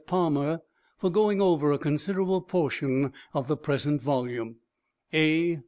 Palmer for going over a considerable portion of the present volume. A.